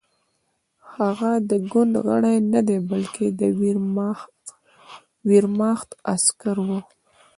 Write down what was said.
هغه د ګوند غړی نه دی بلکې د ویرماخت عسکر و